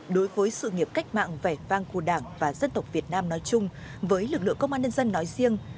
đối với sự nghiệp cách mạng vẻ vang của đảng và dân tộc việt nam nói chung với lực lượng công an nhân dân nói riêng